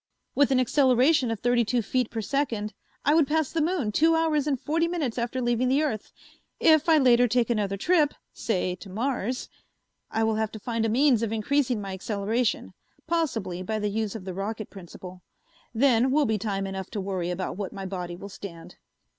With an acceleration of thirty two feet per second, I would pass the moon two hours and forty minutes after leaving the earth. If I later take another trip, say to Mars, I will have to find a means of increasing my acceleration, possibly by the use of the rocket principle. Then will be time enough to worry about what my body will stand."